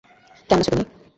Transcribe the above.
কেমন আছো, তুমি?